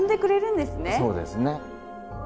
そうですね。